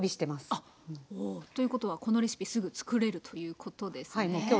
おおということはこのレシピすぐ作れるということですね。